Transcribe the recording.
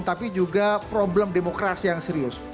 tapi juga problem demokrasi yang serius